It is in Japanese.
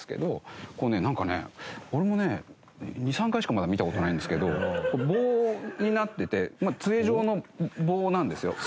こうねなんかね俺もね２３回しかまだ見た事ないんですけど棒になっててつえ状の棒なんですよ。